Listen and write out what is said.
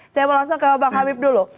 saya mau langsung ke bang habib dulu